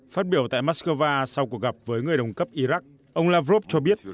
phát biểu tại moscow sau cuộc gặp với người đồng cấp iraq ông lavrov cho biết